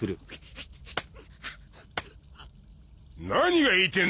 何が言いてえんだ